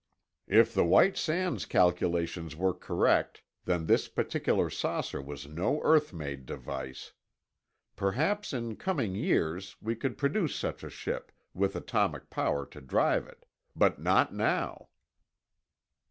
"If the White Sands calculations were correct, then this particular saucer was no earth made device. Perhaps in coming years, we could produce such a ship, with atomic power to drive it. But not now."